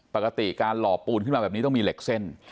ปกติการหล่อปูนขึ้นมาแบบนี้ต้องมีเหล็กเส้น